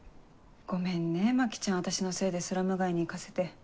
ごめんね牧ちゃん私のせいでスラム街に行かせて。